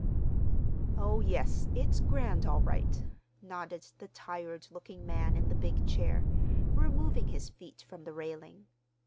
"Oh, yes, it's grand, all right," nodded the tired looking man in the big chair, removing his feet from the railing.